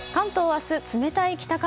明日、冷たい北風。